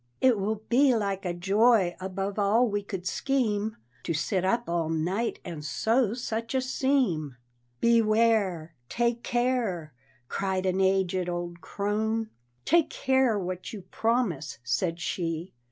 It will be like a joy above all we could scheme, To sit up all night and sew such a seam." "Beware! take care!" cried an aged old crone, "Take care what you promise," said she.